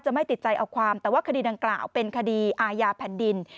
ไม่ติดใจเอาความแต่ว่าคดีดังกล่าวเป็นคดีอาญาแผ่นดิน